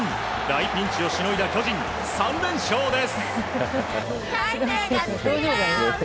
大ピンチをしのいだ巨人３連勝です。